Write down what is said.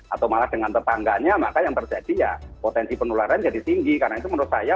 atau malah dengan tetangganya maka yang terjadi ya potensi penularan jadi tinggi karena itu menurut saya